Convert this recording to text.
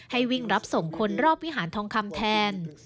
ให้วิ่งรับส่งคนรอบวิหารทองคำแทน